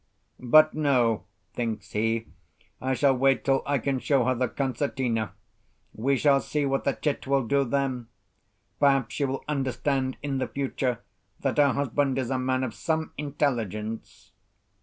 "But no," thinks he; "I shall wait till I can show her the concertina; we shall see what the chit will do then. Perhaps she will understand in the future that her husband is a man of some intelligence."